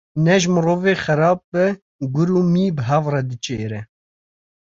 Ne ji mirovê xerab be, gur û mih bi hev re diçêre.